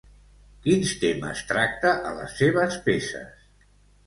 Quins temes tracta a les seves peces?